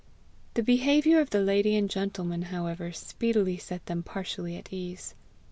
The behaviour of the lady and gentleman, however, speedily set them partially at ease.